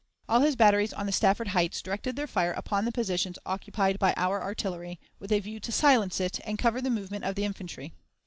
All his batteries on the Stafford Heights directed their fire upon the positions occupied by our artillery, with a view to silence it, and cover the movement of the infantry.